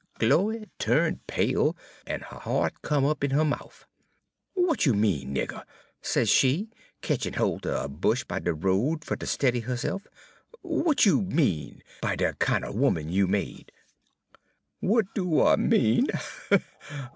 "Chloe tu'nt pale, en her hea't come up in her mouf. "'Wat you mean, nigger?' sez she, ketchin' holt er a bush by de road fer ter stiddy herse'f. 'Wat you mean by de kin' er 'oman you made?' "'Wat do I mean?